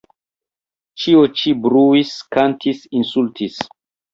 Ĉio ĉi bruis, kantis, insultis.